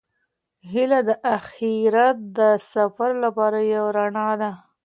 هیله د اخیرت د سفر لپاره یو رڼا ده.